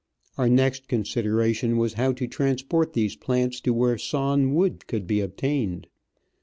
Our next con sideration was how to transport these plants to where sawn wood could be obtained.